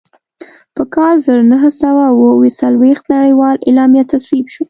په کال زر نهه سوه اووه څلوېښت نړیواله اعلامیه تصویب شوه.